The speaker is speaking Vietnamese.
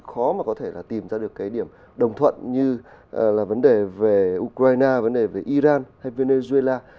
khó mà có thể là tìm ra được cái điểm đồng thuận như là vấn đề về ukraine vấn đề về iran hay venezuela